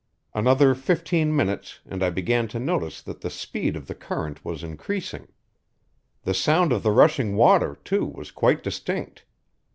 Another fifteen minutes, and I began to notice that the speed of the current was increasing. The sound of the rushing water, too, was quite distinct.